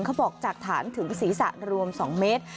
เขาบอกจากฐานถึงศีรษะรวม๒เมตร